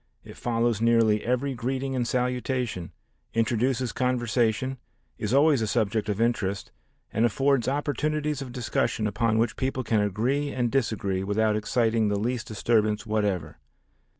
It follows nearly every greeting and salutation, introduces conversation, is always a subject of interest and affords opportunities of discussion upon which people can agree and disagree without exciting the least disturbance whatever.